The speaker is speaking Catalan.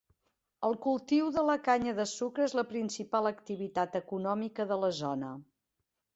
El cultiu de la canya de sucre és la principal activitat econòmica de la zona.